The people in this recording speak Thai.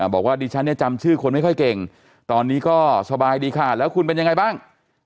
บอกว่าดิฉันเนี่ยจำชื่อคนไม่ค่อยเก่งตอนนี้ก็สบายดีค่ะแล้วคุณเป็นยังไงบ้าง